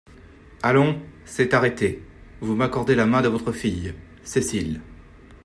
Allons ! c’est arrêté ; Vous m’accordez la main de votre fille." Cécile.